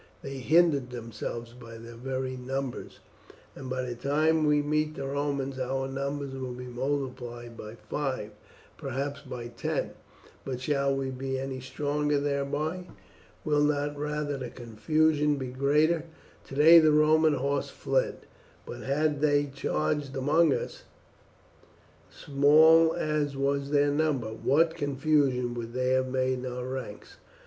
They hindered themselves by their very numbers, and by the time we meet the Romans our numbers will be multiplied by five, perhaps by ten. But shall we be any stronger thereby? Will not rather the confusion be greater? Today the Roman horse fled; but had they charged among us, small as was their number, what confusion would they have made in our ranks!